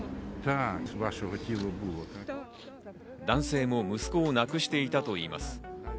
男性も息子を亡くしていたといいます。